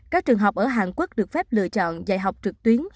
các trường học ở hàn quốc được phép lựa chọn dạy học trực tuyến